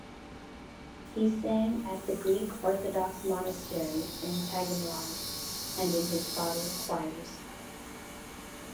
He sang at the Greek Orthodox monastery in Taganrog and in his father's choirs.